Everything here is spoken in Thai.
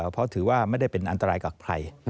เพราะถือว่าไม่ได้เป็นอันตรายกับใคร